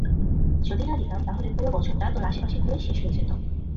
যদি না দিতাম তাহলে পুরো বছরটা তোর আশেপাশে ঘুরে শেষ হয়ে যেত।